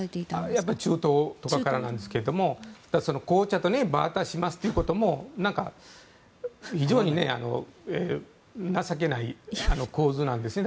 やっぱり中東とかからなんですが紅茶とバーターしますということもなんか非常に情けない構図なんですね。